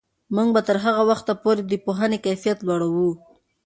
موږ به تر هغه وخته پورې د پوهنې کیفیت لوړوو.